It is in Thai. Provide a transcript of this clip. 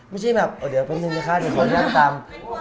ไม่ใช่แบบเดี๋ยวแป๊บนึงนะคะเดี๋ยวขออนุญาตตาม